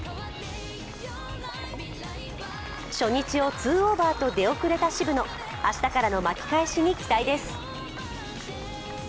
初日を２オーバーと出遅れた渋野、明日からの巻き返しに期待です。